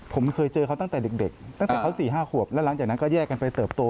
ผมเคยเจอเขาตั้งแต่เด็กตั้งแต่เขา๔๕ขวบแล้วหลังจากนั้นก็แยกกันไปเติบโต